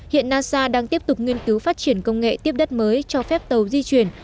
hiện nasa đang tiếp tục nghiên cứu phát triển công nghệ tiếp đất mới cho phép tàu di chuyển